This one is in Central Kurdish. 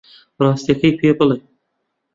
ڕاستییەکەی پێ بڵێ.